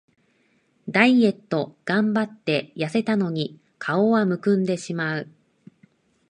ダイエットがんばってやせたのに顔はむくんでしまう